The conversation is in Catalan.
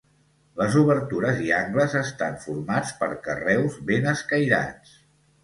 Les obertures i angles estan formats per carreus ben escairats.